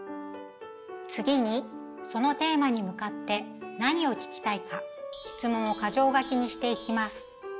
次にそのテーマに向かって何を聞きたいか質問を個条書きにしていきます。